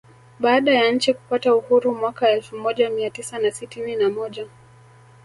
Baada ya nchi kupata Uhuru mwaka elfu moja mia tisa na sitini na moja